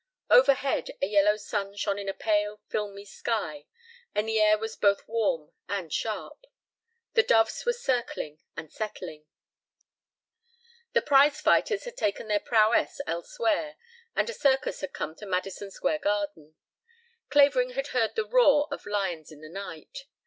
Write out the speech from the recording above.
Overhead a yellow sun shone in a pale filmy sky and the air was both warm and sharp. The doves were circling and settling. The prize fighters had taken their prowess elsewhere, and a circus had come to Madison Square Garden. Clavering had heard the roar of lions in the night.